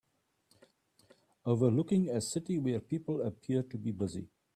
Overlooking a city where people appear to be busy.